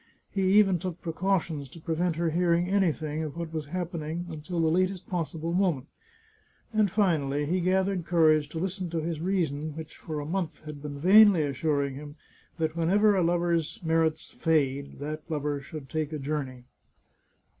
He even took precautions to prevent her hearing any thing of what was happening until the latest possible mo ment; and finally, he gathered courage to listen to his reason, which for a month had been vainly assuring him that whenever a lover's merits fade, that lover should take a journey.